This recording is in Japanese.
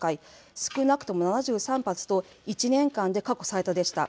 少なくとも７３発と、１年間で過去最多でした。